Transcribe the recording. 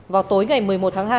vào tối ngày một mươi một tháng hai